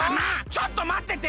ちょっとまってて！